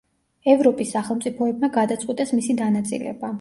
ევროპის სახელმწიფოებმა გადაწყვიტეს მისი დანაწილება.